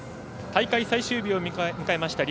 大会最終日を迎えました